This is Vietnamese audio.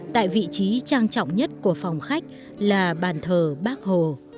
tại vị trí trang trọng nhất của phòng khách là bàn thờ bác hồ